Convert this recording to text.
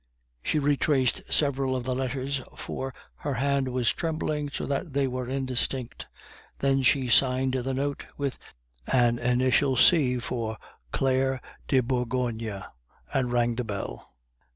She retraced several of the letters, for her hand was trembling so that they were indistinct; then she signed the note with an initial C for "Claire de Bourgogne," and rang the bell.